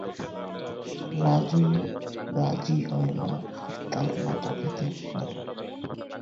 রাজু রাজী হয়না আর তার মা তাকে ত্যাগ করে।